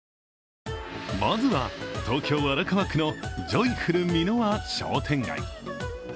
まずは東京・荒川区のジョイフル三ノ輪商店街。